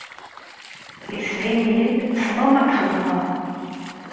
Yettbin-iyi-d tessneḍ ad t-txedmeḍ.